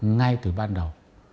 ngay từ ban đầu